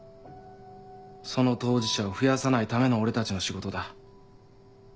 その当事者を増やさないための俺たちの仕事だ。